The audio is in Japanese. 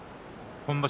今場所